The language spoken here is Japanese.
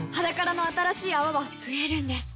「ｈａｄａｋａｒａ」の新しい泡は増えるんです